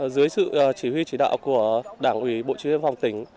dưới sự chỉ huy chỉ đạo của đảng ủy bộ chỉ huy liên phòng tỉnh